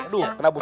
aduh kena busuk